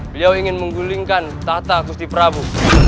beliau ingin menggulingkan tahta kusti prabu